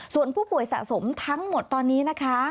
ส่วนผู้ป่วยสะสมทั้งหมดตอนนี้นะคะ